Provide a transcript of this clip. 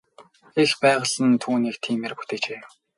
Эх байгаль нь түүнийг тиймээр бүтээжээ.